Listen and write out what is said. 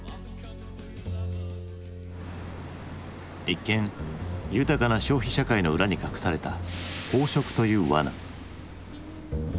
一見豊かな消費社会の裏に隠された飽食というわな。